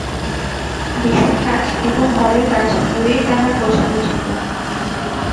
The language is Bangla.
বিষয়কাজ এবং ঘরের কাজ দুইই তাঁহার গোছালো ছিল।